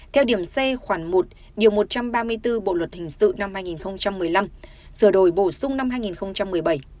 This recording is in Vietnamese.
theo điểm c khoảng một điều một trăm ba mươi bốn bộ luật hình sự năm hai nghìn một mươi năm sửa đổi bổ sung năm hai nghìn một mươi bảy